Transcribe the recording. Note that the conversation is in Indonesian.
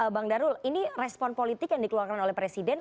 bang darul ini respon politik yang dikeluarkan oleh presiden